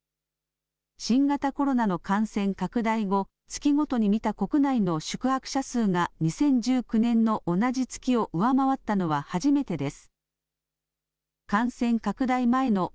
新型コロナの感染拡大後、月ごとに見た国内の宿泊者数が２０１９年の同じ月を上回ったのは初めてです。